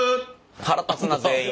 腹立つな全員。